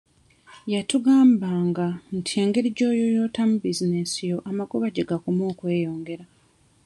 Yatugambanga nti engeri gy'oyooyootamu bizinesi yo amagoba gye gakoma okweyongera.